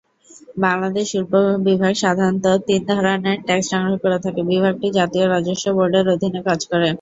বাংলাদেশ শুল্ক বিভাগ সাধারণত তিন ধরনের ট্যাক্স সংগ্রহ করে থাকে, বিভাগটি জাতীয় রাজস্ব বোর্ডের অধীনে কাজ করে।